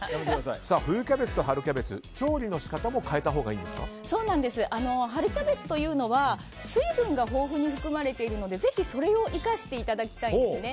冬キャベツと春キャベツ調理の仕方も春キャベツというのは水分が豊富に含まれているのでぜひ、それを生かしていただきたいんですね。